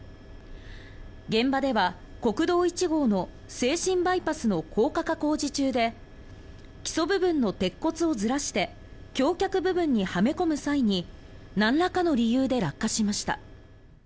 現場では、国道１号の静清バイパスの高架化工事中で基礎部分の鉄骨をずらして橋脚部分にはめ込む際になんらかの理由で落下しました。